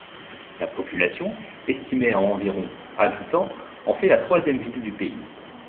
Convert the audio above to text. La population, estimée à environ habitants, en fait la troisième ville du pays.